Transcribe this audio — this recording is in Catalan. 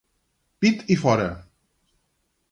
Pit i fora.